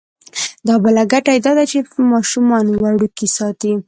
دا بله ګټه یې دا ده چې ماشومه وړوکې ساتي.